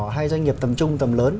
hay doanh nghiệp tầm trung tầm lớn